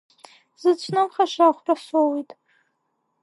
Сзыцәнымхаша ахәра соуит!